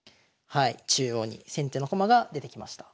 中央に先手の駒が出てきました。